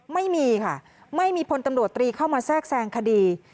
ไม่มีค่ะไม่มีพลตำรวจตรีเข้ามาแทรกแทรงคดี